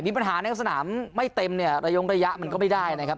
ปัญหาในสนามไม่เต็มเนี่ยระยงระยะมันก็ไม่ได้นะครับ